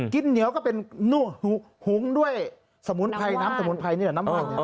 กินเหนียวก็เป็นหุ้งด้วยสมุนไพรน้ำว่าน